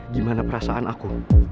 gimana perasaan aku